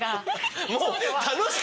もう。